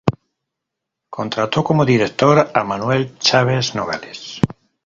Contrató como director a Manuel Chaves Nogales.